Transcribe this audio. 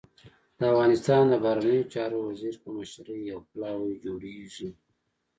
د افغانستان د بهرنیو چارو وزیر په مشرۍ يو پلاوی جوړېږي.